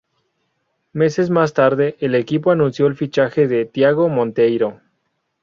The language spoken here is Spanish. Meses más tarde, el equipo anunció el fichaje de Tiago Monteiro.